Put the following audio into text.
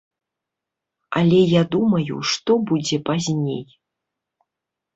Але я думаю, што будзе пазней.